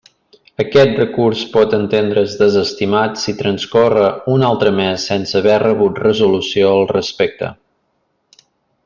Aquest recurs pot entendre's desestimat si transcorre un altre mes sense haver rebut resolució al respecte.